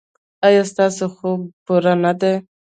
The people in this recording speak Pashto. ایا ستاسو خوب پوره نه دی؟